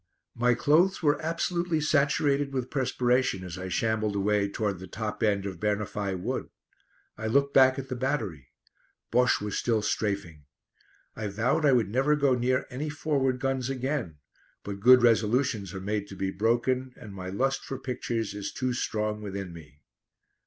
My clothes were absolutely saturated with perspiration as I shambled away towards the top end of Bernafay Wood. I looked back at the battery. Bosche was still "strafing." I vowed I would never go near any forward guns again; but good resolutions are made to be broken, and my lust for pictures is too strong within me.